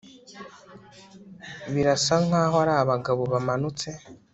Birasa nkaho ari abagabo bamanutse